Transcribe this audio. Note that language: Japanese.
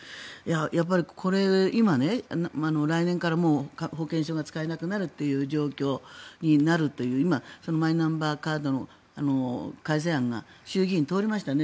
やっぱり、来年から保険証が使えなくなるという状況になるという今、マイナンバーカードの改善案が衆議院を通りましたね。